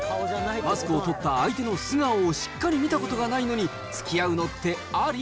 マスクを取った相手の素顔をしっかり見たことがないのにつきあうのってあり？